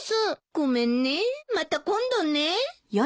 ごめんねまた今度ね。